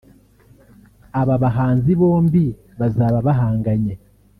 Aba bahanzi bombi bazaba bahanganye